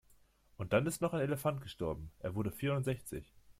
Und dann ist noch ein Elefant gestorben, er wurde vierundsechzig.